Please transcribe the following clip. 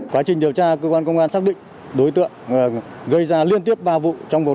quá trình điều tra cơ quan công an xác định đối tượng gây ra liên tiếp ba vụ đập vỡ kính xe ô tô